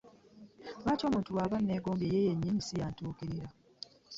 Lwaki omuntu aba anneegombye ye nnyini si yantuukirira?